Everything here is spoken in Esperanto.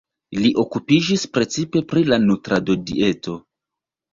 Li okupiĝis precipe pri la nutrado-dieto.